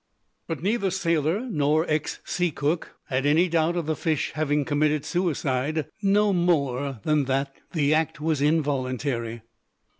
But neither sailor nor ex sea cook had any doubt of the fish having committed suicide, no more than that the act was involuntary.